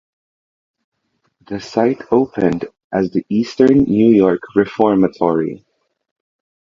The site opened as the "Eastern New York Reformatory".